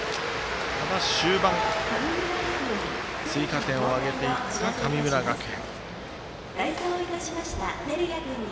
終盤、追加点を挙げていく神村学園。